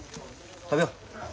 食べよう。